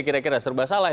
kira kira serba salah